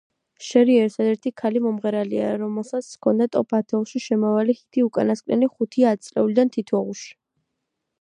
შერი ერთადერთი ქალი მომღერალია რომელსაც ჰქონდა ტოპ ათეულში შემავალი ჰიტი უკანასკნელი ხუთი ათწლეულიდან თითოეულში.